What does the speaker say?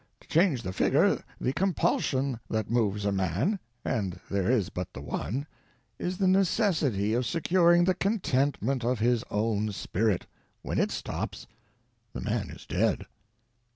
To change the figure, the compulsion that moves a man—and there is but the one—is the necessity of securing the contentment of his own spirit. When it stops, the man is dead.